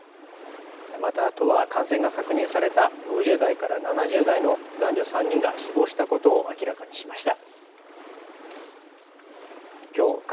また、都は感染が確認された５０代から７０代の男女３人が死亡したことを明らかにしました。